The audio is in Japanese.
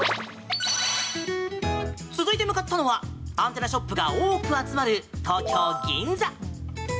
続いて向かったのはアンテナショップが多く集まる東京・銀座。